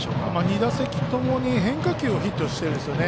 ２打席ともに変化球をヒットしてるんですよね。